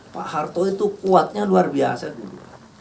pak harto itu kuatnya luar biasa dulu